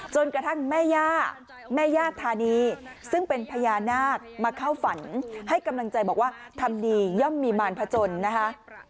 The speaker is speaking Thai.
จนกระทั่งแม่ย่าแม่ย่าธานีซึ่งเป็นพญานาคมาเข้าฝันให้กำลังใจบอกว่าทำดีย่อมมีมารพจนนะคะ